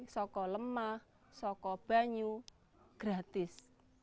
soko lemah soko banyu gratis